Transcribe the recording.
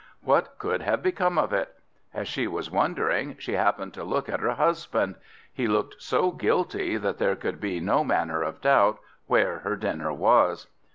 What could have become of it? As she was wondering, she happened to look at her husband; he looked so guilty that there could be no manner of doubt where her dinner was.